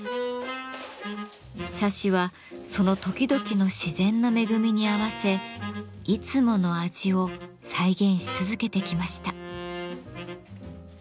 茶師はその時々の自然の恵みに合わせいつもの味を再現し続けてきました。